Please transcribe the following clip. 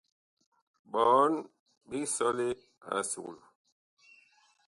Bɔɔn big sɔle a esuklu.